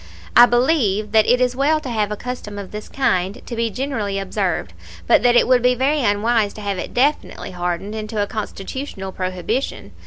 I believe that it is well to have a custom of this kind, to be generally observed, but that it would be very unwise to have it definitely hardened into a Constitutional prohibition.